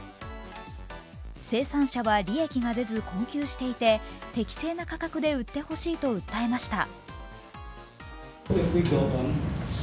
生産者は利益が出ず、困窮していて適正な価格で売ってほしいと訴えました。